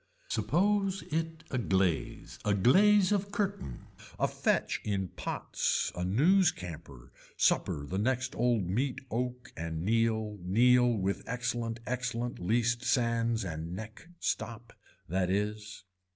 Suppose it a glaze a glaze of curtain a fetch in pots a news camper, supper the next old meat oak and kneel kneel with excellent excellent least sands and neck stop. That is.